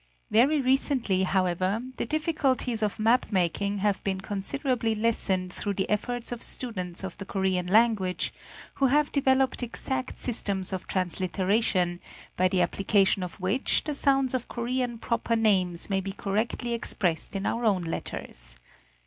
Very recently, however, the difficulties of map making have been con siderably lessened through the efforts of students of the Korean language, who have developed exact systems of transliteration, VOL, I, 16 232 — National Geographic Magazine. by the application of which the sounds of Korean proper names may be correctly expressed in our own letters.